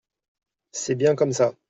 C’est bien comme ça.